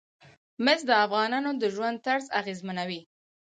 مس د افغانانو د ژوند طرز اغېزمنوي.